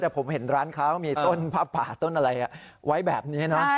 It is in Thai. แต่ผมเห็นร้านเขามีต้นผ้าป่าต้นอะไรไว้แบบนี้นะ